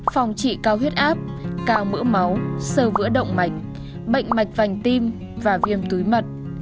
phòng trị cao huyết áp cao mỡ máu sơ gỡ động mạch bệnh mạch vành tim và viêm túi mật